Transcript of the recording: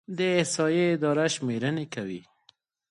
د احصایې اداره شمیرنې کوي